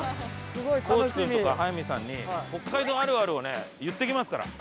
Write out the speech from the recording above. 地君とか早見さんに北海道あるあるをね言っていきますから。